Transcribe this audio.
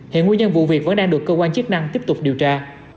hiện nguyên nhân vụ việc vẫn đang được cơ quan chức năng tiếp tục điều tra